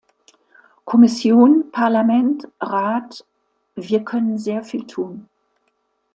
Kommission, Parlament, Rat, wir können sehr viel tun.